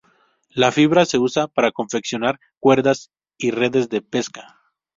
La fibra se usa para confeccionar cuerdas y redes de pesca.